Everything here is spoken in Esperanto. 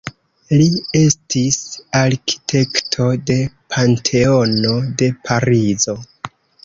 Li estis arkitekto de Panteono de Parizo.